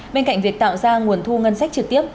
bên cạnh việc tạo ra nguồn thu ngân sách trực tiếp